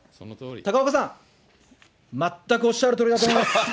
高岡さん、全くおっしゃるとおりだと思います。